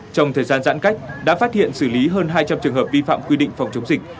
trong thời gian giãn cách đã phát hiện xử lý hơn hai trăm linh trường hợp vi phạm quy định phòng chống dịch